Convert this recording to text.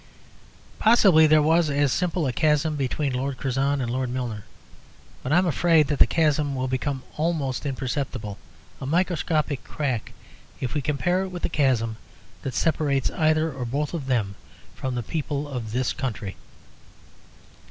Possibly there was as simple a chasm between Lord Curzon and Lord Milner. But I am afraid that the chasm will become almost imperceptible, a microscopic crack, if we compare it with the chasm that separates either or both of them from the people of this country.